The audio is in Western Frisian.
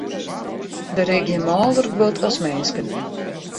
Der is gjin mâlder guod as minsken.